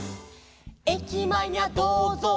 「えきまえにゃどうぞう」